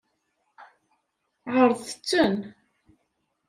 Ɛeṛḍet-ten.